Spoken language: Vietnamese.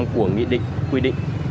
của nghị định quy định